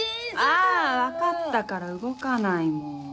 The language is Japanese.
あ分かったから動かない。